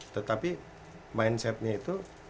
tetapi mindsetnya itu